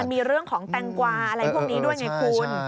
มีเรื่องของแตงกวาอะไรพวกนี้ด้วยไงคุณ